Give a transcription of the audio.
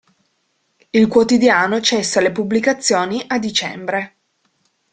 Il quotidiano cessa le pubblicazioni a dicembre.